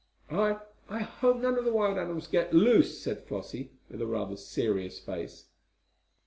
"I I hope none of the wild animals get loose," said Flossie, with rather a serious face.